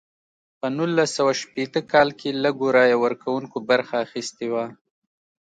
په نولس سوه شپیته کال کې لږو رایه ورکوونکو برخه اخیستې وه.